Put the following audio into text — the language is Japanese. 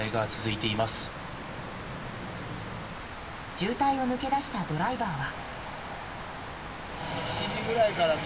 渋滞を抜け出したドライバーは。